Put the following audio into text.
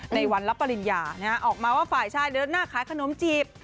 ในวันรับปริญญาออกมาว่าฝ่ายชายเดินหน้าขายขนมจีบ